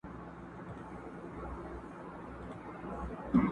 نوي یې راوړي تر اټکه پیغامونه دي؛